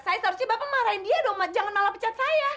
saya seharusnya bapak marahin dia dong mat jangan malah pecat saya